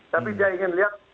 tapi dia ingin lihat